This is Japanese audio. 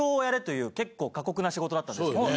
結構過酷な仕事だったんですけど。